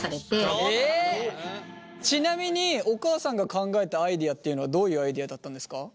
ちなみにお母さんが考えたアイデアっていうのはどういうアイデアだったんですか？